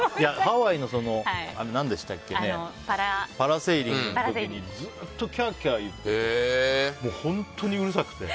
ハワイのパラセーリングの時にずっとキャーキャー言ってて本当にうるさくて。